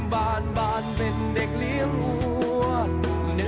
บานเป็นเด็กเลี้ยงอ้วน